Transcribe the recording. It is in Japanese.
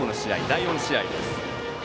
第４試合です。